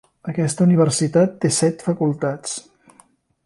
Aquesta universitat té set facultats.